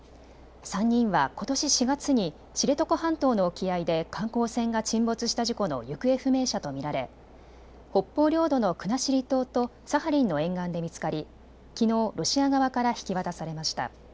３人はことし４月に知床半島の沖合で観光船が沈没した事故の行方不明者と見られ北方領土の国後島とサハリンの沿岸で見つかり、きのうロシア側から引き渡されました。